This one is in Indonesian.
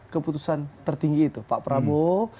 keputusan tertinggi itu pak prabowo